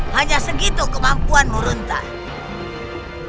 hanya segitu kemampuanmu runtar